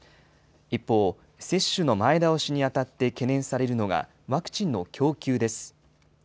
一方、接種の前倒しにあたって懸念されるのがワクチンの供給です。